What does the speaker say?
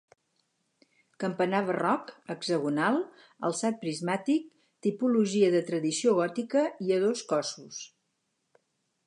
Campanar barroc, hexagonal, alçat prismàtic, tipologia de tradició gòtica i a dos cossos.